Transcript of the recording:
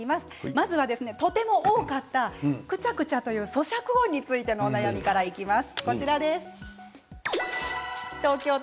まずはとても多かったくちゃくちゃというそしゃく音についてのお悩みからいきます。